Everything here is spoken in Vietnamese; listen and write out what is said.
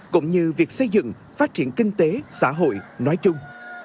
cũng như việc xây dựng phát triển kinh tế xã hội nói chung